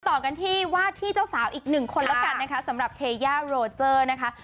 ต่อกันที่วาดที่เจ้าสาวอีกหนึ่งคนแล้วกันนะคะสำหรับเทย่าโรเจอร์นะคะ